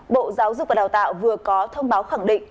bộ giáo dục và đào tạo vừa có thông báo khẳng định